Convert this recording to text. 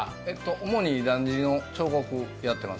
主にだんじりの彫刻をしています。